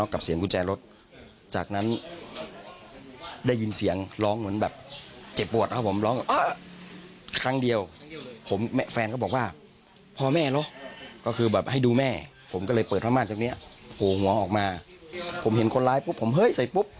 คนร้ายปุ๊บผมเฮ้ยใส่ปุ๊บ